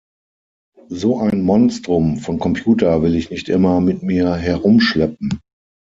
So ein Monstrum von Computer will ich nicht immer mit mir herumschleppen.